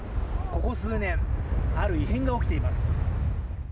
ここ数年、ある異変が起きています。